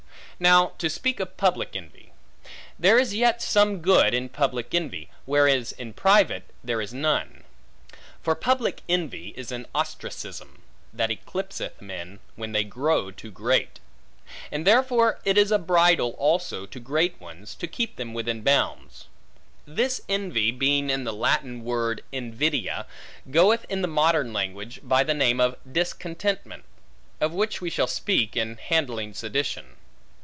Now, to speak of public envy. There is yet some good in public envy, whereas in private, there is none. For public envy, is as an ostracism, that eclipseth men, when they grow too great. And therefore it is a bridle also to great ones, to keep them within bounds. This envy, being in the Latin word invidia, goeth in the modern language, by the name of discontentment; of which we shall speak, in handling sedition.